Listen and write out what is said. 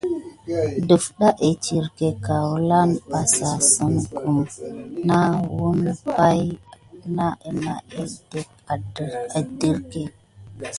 Dəfɗa étirké kaoulin bà sine kume nà wuna ka pay nà nane kilenké.